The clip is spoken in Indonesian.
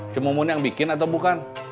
cuma moon yang bikin atau bukan